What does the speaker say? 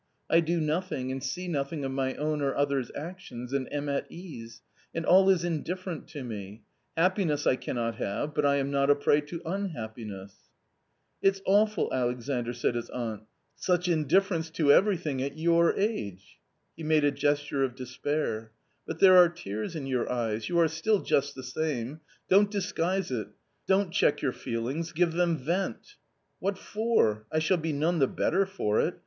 I do nothing, and see nothing of my own or other's actions and am at ease, and all is indifferent to me — happiness I cannot have, but I am not a prey to unhappiness." " It's awful, Alexandr," said his aunt ;" such indifference to everything at your age." ^~~~ He made a gesture of despair. " But there are tears in your eyes ; you are still just the same ; don't disguise it, don't check your feelings, give them vent." "What for? I shall be none the better for it.